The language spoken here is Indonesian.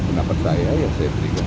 pendapat saya ya saya berikan